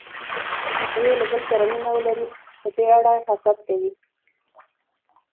خو که یو له بل سره مینه ولري، په دې اړه حسد کوي.